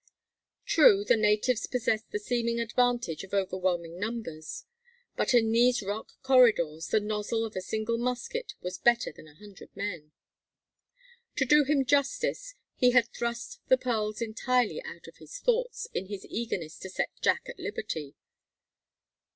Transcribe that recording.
True, the natives possessed the seeming advantage of overwhelming numbers; but in these rock corridors the nozzle of a single musket was better than a hundred men. To do him justice, he had thrust the pearls entirely out of his thoughts in his eagerness to set Jack at liberty.